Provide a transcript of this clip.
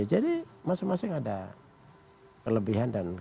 jadi masing masing ada kelebihan dan keuntungan